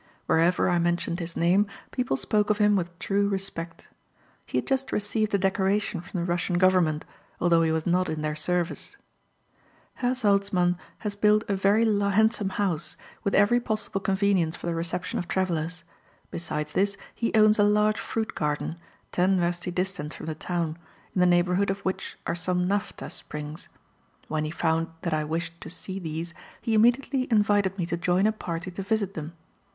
Wherever I mentioned his name, people spoke of him with true respect. He had just received a decoration from the Russian government, although he was not in their service. Herr Salzmann has built a very handsome house, with every possible convenience for the reception of travellers; besides this he owns a large fruit garden, ten wersti distant from the town, in the neighbourhood of which are some naphtha springs. When he found that I wished to see these he immediately invited me to join a party to visit them.